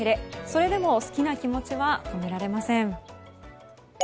それでも好きな気持ちは止められません。